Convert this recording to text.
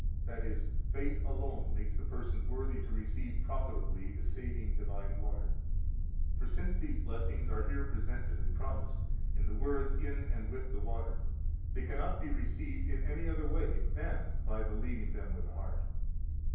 That is, faith alone makes the person worthy to receive profitably the saving, divine water. For, since these blessings are here presented and promised in the words in and with the water, they cannot be received in any other way than by believing them with the heart.